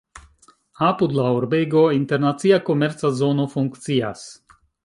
Apud la urbego internacia komerca zono funkcias.